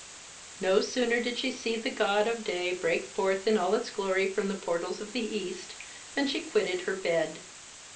No sooner did she see the god of day break forth in all his glory from the portals of the east, than she quitted her bed.